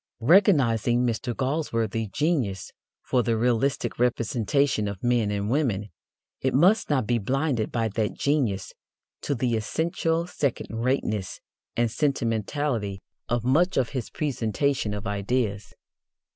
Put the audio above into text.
Recognizing Mr. Galsworthy's genius for the realistic representation of men and women, it must not be blinded by that genius to the essential second rateness and sentimentality of much of his presentation of ideas.